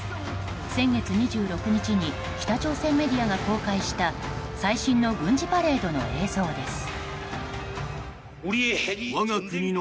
先月２６日に北朝鮮メディアが公開した最新の軍事パレードの映像です。